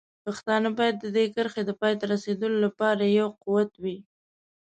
پښتانه باید د دې کرښې د پای ته رسولو لپاره یو قوت وي.